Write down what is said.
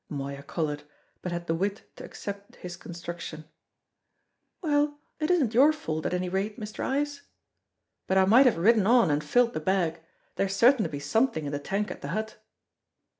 Moya coloured, but had the wit to accept his construction. "Well, it isn't your fault, at any rate, Mr. Ives." "But I might have ridden on and filled the bag; there's certain to be something in the tank at the hut."